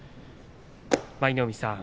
舞の海さん